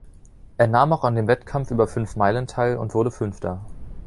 Er nahm auch an dem Wettkampf über fünf Meilen teil und wurde Fünfter.